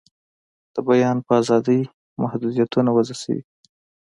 د بیان په آزادۍ محدویتونه وضع شوي.